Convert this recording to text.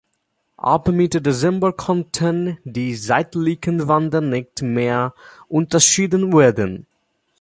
Ab Mitte Dezember konnten die seitlichen Bänder nicht mehr unterschieden werden.